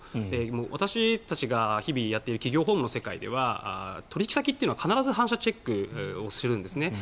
私たちが日々、やっている企業法務の世界では取引先というのは必ず反社チェックをするんですね。